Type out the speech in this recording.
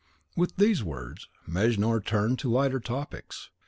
With these words Mejnour turned to lighter topics.